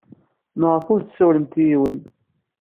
Maɣef ur tessawalemt ed yiwen?